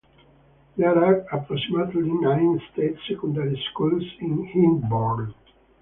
There are approximately nine state secondary schools in Hyndburn.